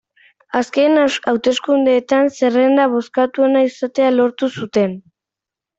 Azken hauteskundeetan zerrenda bozkatuena izatea lortu zuten.